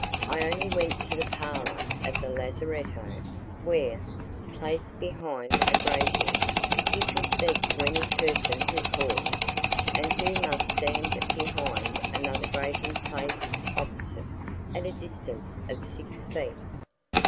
I only went to the parlour of the lazaretto, where, placed behind a grating, you can speak to any person who calls, and who must stand behind another grating placed opposite, at a distance of six feet.